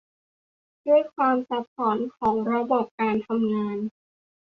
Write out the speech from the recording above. ด้วยความซับซ้อนของระบบการทำงาน